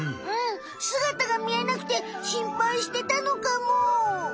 うんすがたが見えなくてしんぱいしてたのかも。